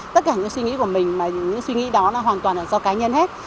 tất cả những suy nghĩ của mình những suy nghĩ đó là hoàn toàn do cá nhân hết